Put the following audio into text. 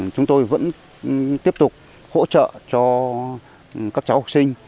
chúng tôi vẫn tiếp tục hỗ trợ cho các cháu học sinh